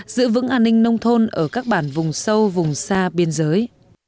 giữ vững an ninh nông thôn ở các bản vùng sâu vùng xa biên giới